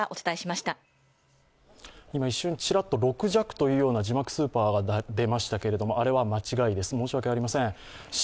今一瞬ちらっと６弱という字幕スーパーが出ましたけれども、あれは間違いです、申し訳ありません。